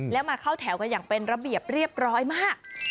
แล้วมาเข้าแถวกันอย่างเป็นระเบียบเรียบร้อยมาก